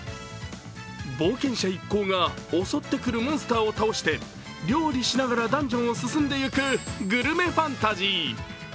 冒険者一行が襲ってくるモンスターを倒して料理しながらダンジョンを進んでいくグルメファンタジー。